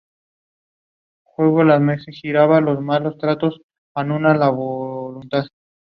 There is no regular shuttle bus service from Glacier Point down to Yosemite Valley.